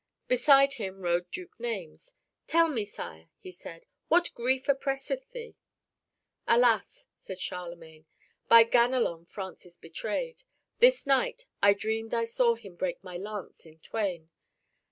Beside him rode Duke Naimes. "Tell me, Sire," he said, "what grief oppresseth thee?" "Alas," said Charlemagne, "by Ganelon France is betrayed. This night I dreamed I saw him break my lance in twain.